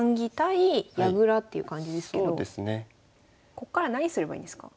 こっから何すればいいんですか？